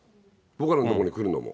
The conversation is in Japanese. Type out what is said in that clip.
僕らのところに来るのも。